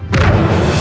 kita turun sekarang